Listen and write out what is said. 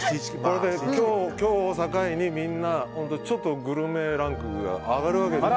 今日を境にみんなちょっとグルメランクが上がるわけですよ。